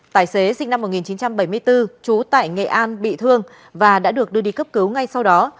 tài xế sinh năm một nghìn chín trăm bảy mươi bốn trú tại nghệ an bị thương và đã được đưa đi cấp cứu ngay sau đó